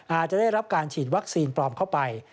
อาจจะได้รับการฉีดวัคซีนปลอมเข้าไป